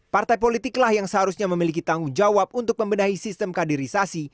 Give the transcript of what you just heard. partai politiklah yang seharusnya memiliki tanggung jawab untuk membenahi sistem kaderisasi